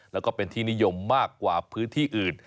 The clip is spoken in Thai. แล้วก็เป็นที่นิยมมากกว่าพื้นที่อื่น